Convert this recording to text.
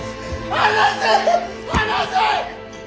離せ！